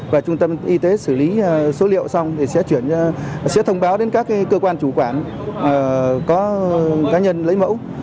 và trung tâm y tế xử lý số liệu xong thì sẽ chuyển sẽ thông báo đến các cơ quan chủ quản có cá nhân lấy mẫu